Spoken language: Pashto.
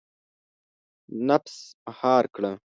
• نفس مهار کړه.